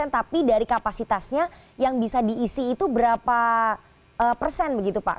tapi dari kapasitasnya yang bisa diisi itu berapa persen begitu pak